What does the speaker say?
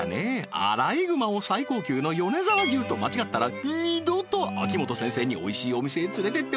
アライグマを最高級の米沢牛と間違ったら二度と秋元先生においしいお店へ連れてってもらえないよ